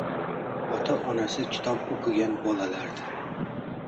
Ota-onasi kitob o‘qigan bolalardir.